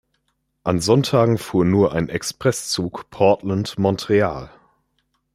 An Sonntagen fuhr nur ein Expresszug Portland–Montreal.